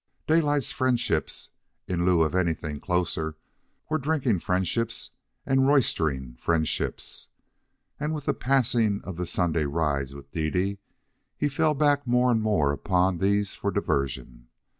Daylight's friendships, in lieu of anything closer, were drinking friendships and roistering friendships. And with the passing of the Sunday rides with Dede, he fell back more and more upon these for diversion.